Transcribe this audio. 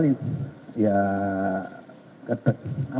yang terkait dengan hal hal yang terkait dengan